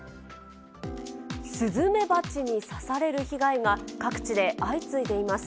スズメバチに刺される被害が各地で相次いでいます。